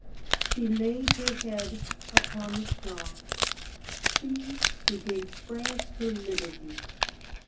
She laid her head upon the straw. She who gave France her liberty.